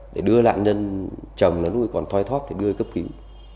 để đưa nạn nhân trầm nó nuôi còn thoai thoát để đưa cấp cứu